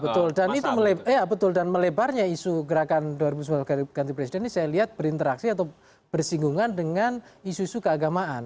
betul dan itu dan melebarnya isu gerakan dua ribu sembilan belas ganti presiden ini saya lihat berinteraksi atau bersinggungan dengan isu isu keagamaan